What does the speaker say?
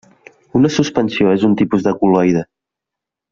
Una suspensió és un tipus de col·loide.